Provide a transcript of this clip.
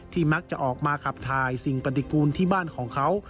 มักจะออกมาขับถ่ายสิ่งปฏิกูลที่บ้านของเขา